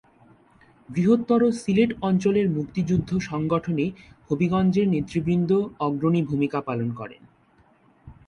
বৃহত্তর সিলেট অঞ্চলের মুক্তিযুদ্ধ সংগঠনে হবিগঞ্জের নেতৃবৃন্দ অগ্রণী ভূমিকা পালন করেন।